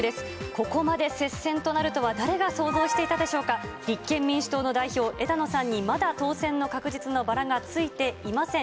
ここまで接戦となるとは、誰が想像していたでしょうか、立憲民主党の代表、枝野さんにまだ当選の確実のバラがついていません。